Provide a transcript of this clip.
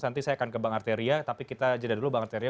nanti saya akan ke bang arteria tapi kita jeda dulu bang arteria